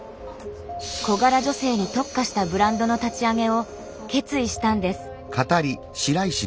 小柄女性に特化したブランドの立ち上げを決意したんです。